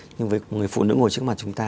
nhưng với người phụ nữ ngồi trước mặt chúng ta